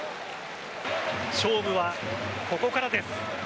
勝負はここからです。